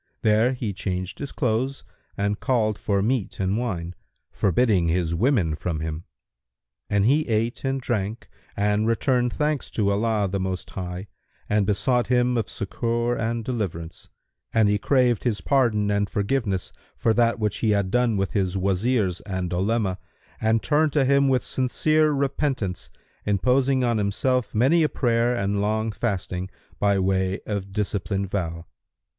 there he changed his clothes and called for meat and wine, forbidding his women from him; and he ate and drank and returned thanks to Allah the Most High and besought Him of succour and deliverance, and he craved His pardon and forgiveness for that which he had done with his Wazirs and Olema and turned to Him with sincere repentance, imposing on himself many a prayer and long fasting, by way of discipline vow.